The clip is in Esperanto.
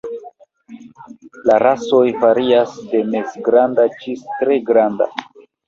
La rasoj varias de mezgranda ĝis tre granda.